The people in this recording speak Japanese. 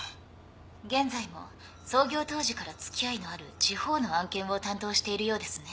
現在も創業当時から付き合いのある地方の案件を担当しているようですね。